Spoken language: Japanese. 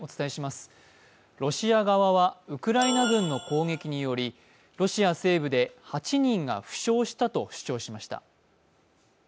ロシア側はウクライナ軍の攻撃により、ロシア西部で８人が負傷したと主張しました。